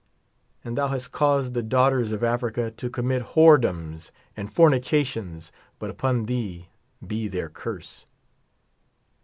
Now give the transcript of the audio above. And thou hast caused the daughters of Africa to commit whordoms and fornications ; but upon thee be their curse.